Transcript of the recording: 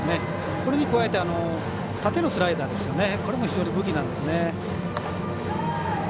これに加えて縦のスライダーこれも非常に武器なんですよね。